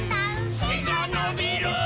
「せがのびるーっ」